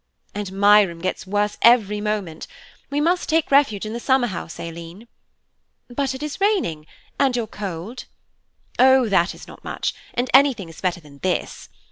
"And my room gets worse every moment. We must take refuge in the summer house, Aileen." "But it is raining, and your cold?" "Oh, that is not much, and anything is better than this.